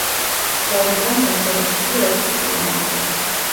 გორიდან დაშორებულია ექვსი კილომეტრით.